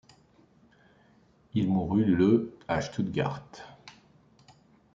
Il mourut le à Stuttgart.